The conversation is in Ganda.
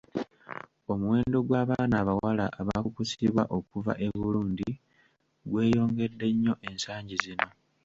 Omuwendo gw’abaana abawala abakukusibwa okuva e Burundi gweyongedde nnyo ensangi zino.